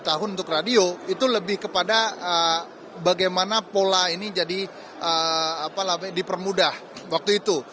dua puluh tahun untuk radio itu lebih kepada bagaimana pola ini jadi dipermudah waktu itu